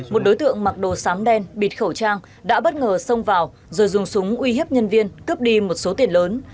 một đối tượng mặc đồ sám đen bịt khẩu trang đã bất ngờ xông vào rồi dùng súng uy hiếp nhân viên cướp đi một số tiền lớn